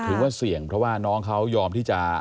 ว่าเสี่ยงเพราะว่าน้องเขายอมที่จะ